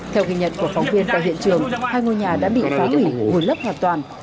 theo ghi nhận của phóng viên tại hiện trường hai ngôi nhà đã bị phá hủy vùi lấp hoàn toàn